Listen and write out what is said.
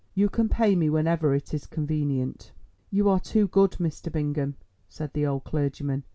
You can pay me whenever it is convenient." "You are too good, Mr. Bingham," said the old clergyman.